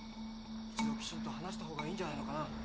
一度きちんと話したほうがいいんじゃないのかな。